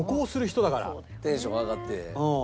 テンションが上がって。